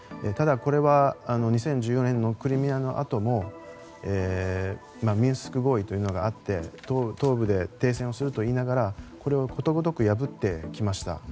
ただ、これは２０１４年のクリミアのあともミンスク合意というのがあって東部で停戦をすると言いながらこれをことごとく破ってきました。